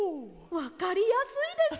わかりやすいです！